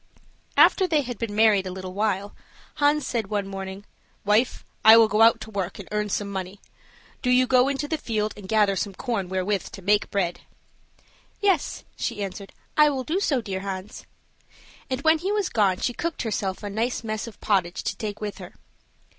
After they had been married a little while, Hans, said one morning, "Wife, I will go out to work and earn some money; do you go into the field and gather some corn wherewith to make bread." "Yes," she answered, "I will do so, dear Hans." And when he was gone, she cooked herself a nice mess of pottage to take with her.